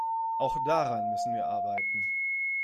Auch daran müssen wir arbeiten.